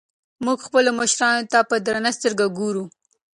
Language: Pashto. موږ خپلو مشرانو ته په درنه سترګه ګورو.